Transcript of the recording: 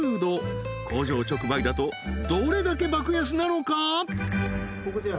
［工場直売だとどれだけ爆安なのか？］